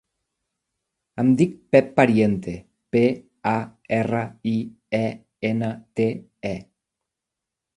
Em dic Pep Pariente: pe, a, erra, i, e, ena, te, e.